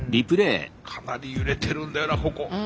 かなり揺れてるんだよなここ。